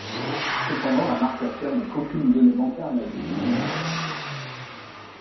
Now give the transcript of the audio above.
Cependant la marque affirme qu'aucune donnée bancaire n'a été publiée.